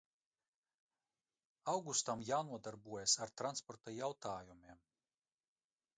Augustam jānodarbojas ar transporta jautājumiem.